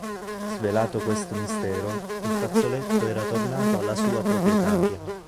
Svelato questo mistero, il fazzoletto era tornato alla sua proprietaria.